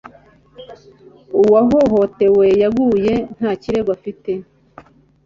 uwahohotewe yeguye, nta kirego afite